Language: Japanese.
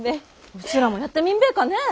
うちらもやってみんべぇかね。